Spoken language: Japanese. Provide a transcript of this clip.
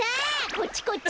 こっちこっち！